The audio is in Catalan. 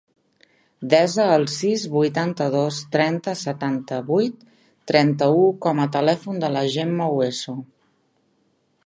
Desa el sis, vuitanta-dos, trenta, setanta-vuit, trenta-u com a telèfon de la Gemma Hueso.